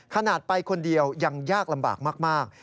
ขนาดไปคนเดียวยังยากลำบากมาก